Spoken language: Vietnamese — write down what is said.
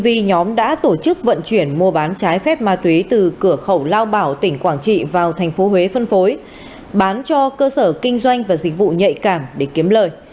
vì nhóm đã tổ chức vận chuyển mua bán trái phép ma túy từ cửa khẩu lao bảo tỉnh quảng trị vào thành phố huế phân phối bán cho cơ sở kinh doanh và dịch vụ nhạy cảm để kiếm lời